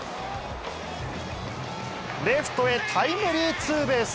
レフトへタイムリーツーベース。